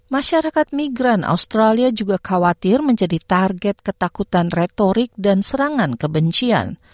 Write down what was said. masyarakat migran australia juga khawatir menjadi target ketakutan rektorik dan serangan kebencian